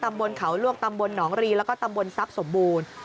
บนเขาลวกตำบลหนองรีแล้วก็ตำบลทรัพย์สมบูรณ์